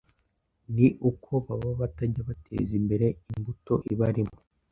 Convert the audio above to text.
ni uko baba batajya bateza imbere imbuto ibarimo.